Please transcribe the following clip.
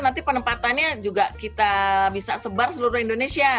nanti penempatannya juga kita bisa sebar seluruh indonesia